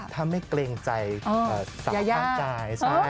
ถ้าไม่เกรงใจสายร่างกาย